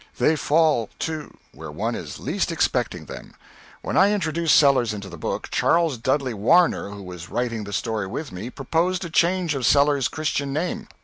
They fall, too, where one is least expecting them. When I introduced Sellers into the book, Charles Dudley Warner, who was writing the story with me, proposed a change of Seller's Christian name.